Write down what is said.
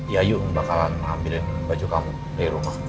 yayu bakalan ambilin baju kamu dari rumah